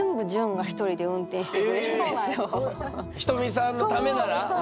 ひとみさんのためなら？